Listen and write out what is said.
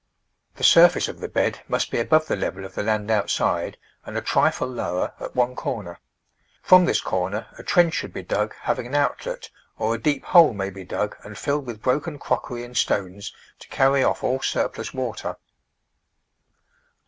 The surface of the bed must be above the level of the land outside and a trifle lower at one corner. From this corner a trench should be dug having an outlet, or a deep hole may be dug and filled with broken crockery and stones to carry off all surplus water.